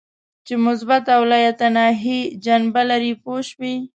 چې مثبته او انتباهي جنبه لري پوه شوې!.